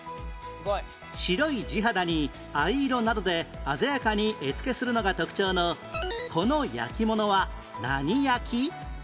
白い磁肌に藍色などで鮮やかに絵付けするのが特徴のこの焼き物は何焼？